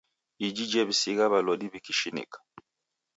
Iji jew'isigha w'alodi w'ikishinika.